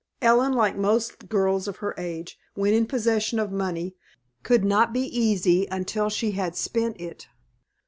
Ellen, like most girls of her age, when in possession of money, could not be easy until she had spent it.